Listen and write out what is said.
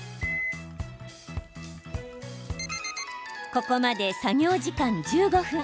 ここまで作業時間１５分。